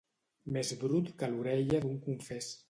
Més brut que l'orella d'un confés.